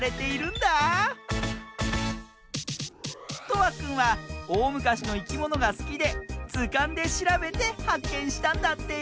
とわくんはおおむかしのいきものがすきでずかんでしらべてはっけんしたんだって！